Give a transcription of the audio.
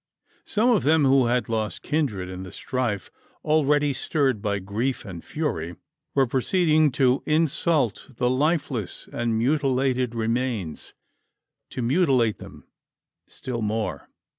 Some of them who had lost kindred in the strife, already stirred by grief and fury, were proceeding to insult the lifeless and mutilated remains to mutilate them still more!